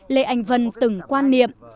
lê anh vân từng quan niệm